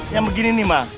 yang begini nih ma